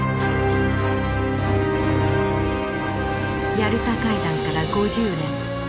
ヤルタ会談から５０年。